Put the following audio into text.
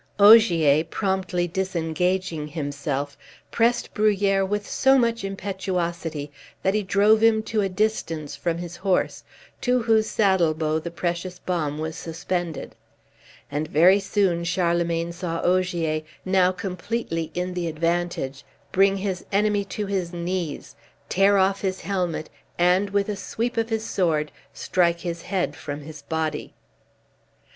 Ogier, promptly disengaging himself, pressed Bruhier with so much impetuosity that he drove him to a distance from his horse, to whose saddle bow the precious balm was suspended; and very soon Charlemagne saw Ogier, now completely in the advantage, bring his enemy to his knees, tear off his helmet, and, with a sweep of his sword, strike his head from his body.